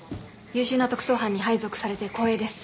優秀な特捜班に配属されて光栄です。